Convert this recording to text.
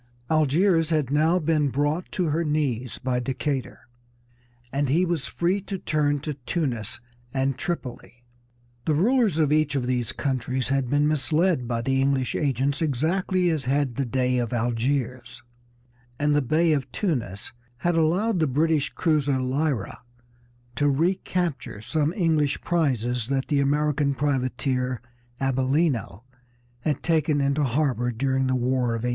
Algiers had now been brought to her knees by Decatur, and he was free to turn to Tunis and Tripoli. The rulers of each of these countries had been misled by the English agents exactly as had the Dey of Algiers, and the Bey of Tunis had allowed the British cruiser Lyra to recapture some English prizes that the American privateer Abellino had taken into harbor during the War of 1812.